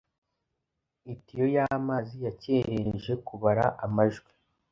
Itiyo y'amazi yacyerereje kubara amajwi